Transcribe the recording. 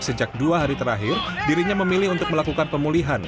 sejak dua hari terakhir dirinya memilih untuk melakukan pemulihan